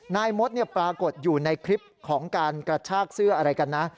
นายมดปรากฏอยู่ในคลิปของการกระชากเสื้ออะไรกันนะ